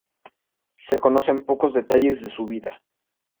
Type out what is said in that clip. Se conocen pocos detalles de su vida.